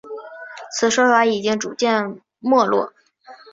此说法已经逐渐没落。